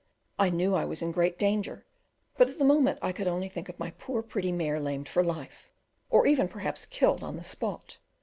I knew I was in great danger, but at the moment I could only think of my poor pretty mare lamed for life, or even perhaps killed on the spot.